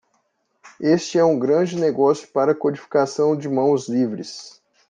Este é um grande negócio para codificação de mãos livres.